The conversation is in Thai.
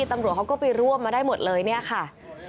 ตำรวจเขาก็ไปร่วมมาได้หมดเลยเนี่ยค่ะ